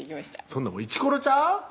そんなんイチコロちゃう？